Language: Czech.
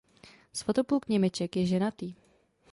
Svatopluk Němeček je ženatý.